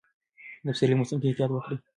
د پسرلي موسم کې احتیاط وکړئ.